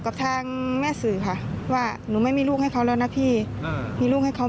กับทางแม่สื่อค่ะว่าหนูไม่มีลูกให้เขาแล้วนะพี่มีลูกให้เขา